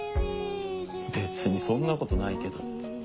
別にそんなことないけど。